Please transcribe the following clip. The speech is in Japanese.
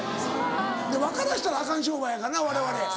で分からしたらアカン商売やからなわれわれ。